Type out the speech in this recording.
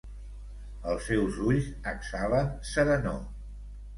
Els seus ulls exhalen serenor.